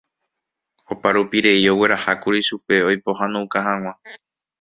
Oparupirei oguerahákuri chupe oipohánouka hag̃ua.